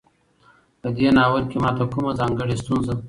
په دې ناول کې ماته کومه ځانګړۍ ستونزه